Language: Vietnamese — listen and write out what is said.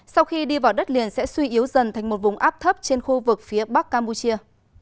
sau khi đi vào đất liền sẽ suy yếu dần thành một vùng áp thấp trên khu vực phía bắc campuchia